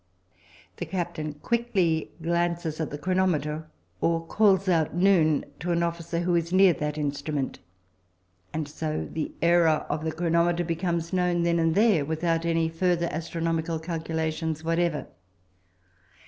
The captain quickly glances at the chronometer, or calls out "noon" to an officer who is near that instrument. And so the error of the chronometer becomes known then and there without any further astronomical calculations whatever.